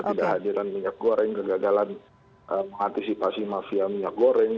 ketidakhadiran minyak goreng kegagalan mengantisipasi mafia minyak goreng